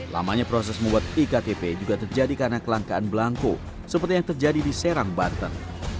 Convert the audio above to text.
lamanya proses membuat iktp juga terjadi karena kelangkaan belangko seperti yang terjadi di serang banten